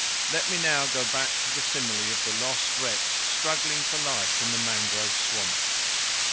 Let me now go back to the simile of the lost wretch struggling for life in the mangrove swamp.